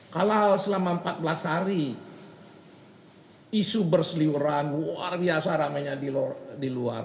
kalau selama empat belas hari isu berseliuran luar biasa ramainya di luar